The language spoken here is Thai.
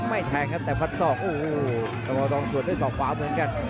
ไม่แท้นะครับแต่พัดซอสธาร๓๐๐